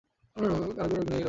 কোনো আরোগ্য নেই এ রোগের।